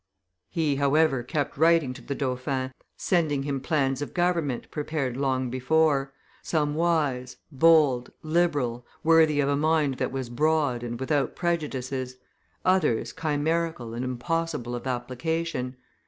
He, however, kept writing to the dauphin, sending him plans of government prepared long before; some wise, bold, liberal, worthy of a mind that was broad and without prejudices; others chimerical and impossible of application.